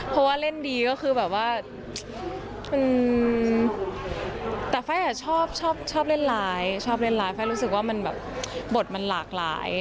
เพราะว่าเล่นดีก็คือแบบว่าแต่ฟ้ายอ่ะชอบเล่นร้ายชอบเล่นร้ายฟ้ายรู้สึกว่ามันแบบบทมันหลากหลาย